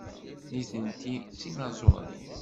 Nitenti d tinaẓurin.